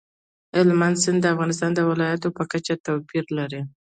هلمند سیند د افغانستان د ولایاتو په کچه توپیر لري.